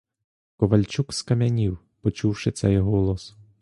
Ковальчук скам'янів, почувши цей голос.